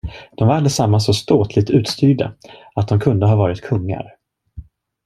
De var allesammans så ståtligt utstyrda, att de kunde ha varit kungar.